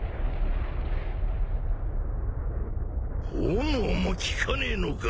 炎も効かねえのか！？